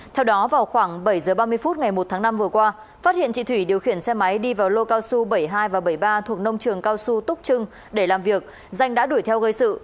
theo đó vào khoảng bảy h ba mươi phút ngày một tháng năm vừa qua phát hiện chị thủy điều khiển xe máy đi vào lô cao su bảy mươi hai và bảy mươi ba thuộc nông trường cao su túc trưng để làm việc danh đã đuổi theo gây sự